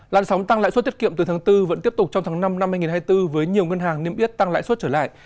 làn sóng tăng lãi suất tiết kiệm từ tháng bốn vẫn tiếp tục trong tháng năm năm hai nghìn hai mươi bốn với nhiều ngân hàng niêm yết tăng lãi suất trở lại